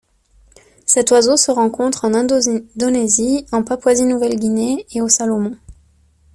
Cet oiseau se rencontre en Indonésie, en Papouasie-Nouvelle-Guinée et aux Salomon.